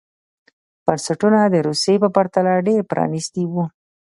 بنسټونه د روسیې په پرتله ډېر پرانېستي وو.